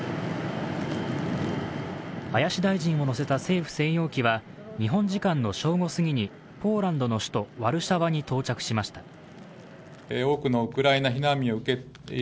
林大臣を乗せた政府専用機は日本時間の正午すぎにポーランドの首都ワルシャワに到着しました。